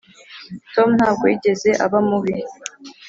tom ntabwo yigeze aba mubi.